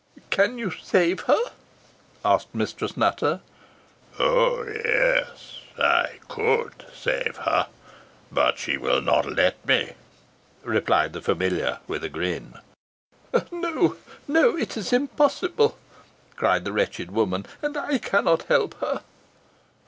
"Can you save her?" asked Mistress Nutter. "Oh! yes, I could save her, but she will not let me," replied the familiar, with a grin. "No no it is impossible," cried the wretched woman. "And I cannot help her."